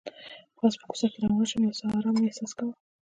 پاس په کوڅه کې روان شوم، یو څه ارام مې احساس کاوه.